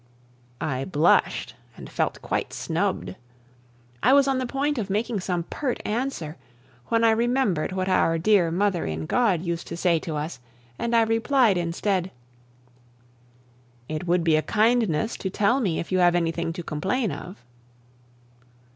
I blushed and felt quite snubbed. I was on the point of making some pert answer, when I remembered what our dear mother in God used to say to us, and I replied instead: "It would be a kindness to tell me if you have anything to complain of."